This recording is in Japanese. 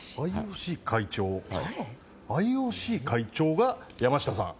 ＩＯＣ会長が山下さん？